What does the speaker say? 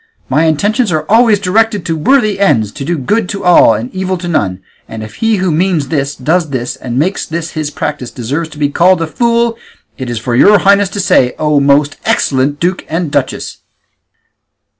My intentions are always directed to worthy ends, to do good to all and evil to none; and if he who means this, does this, and makes this his practice deserves to be called a fool, it is for your highnesses to say, O most excellent duke and duchess."